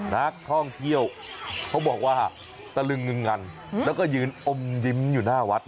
นักท่องเที่ยวเขาบอกว่าตะลึงงึงงันแล้วก็ยืนอมยิ้มอยู่หน้าวัด